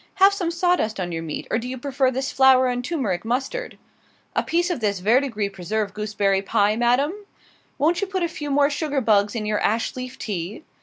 "Have some sawdust on your meat, or do you prefer this flour and turmeric mustard?" "A piece of this verdigris preserve gooseberry pie, Madam?" "Won't you put a few more sugar bugs in your ash leaf tea?"